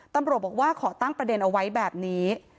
ตำรวจบอกว่าขอตั้งประเด็นเอาไว้แบบนี้